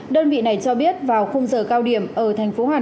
đơn vị này cho biết vào khung giờ cao điểm ở thành phố hà nội